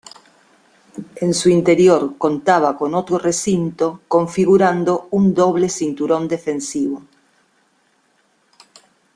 En su interior contaba con otro recinto configurando un doble cinturón defensivo.